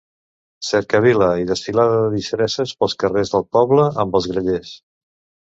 Cercavila i desfilada de disfresses pels carrers del poble amb els grallers.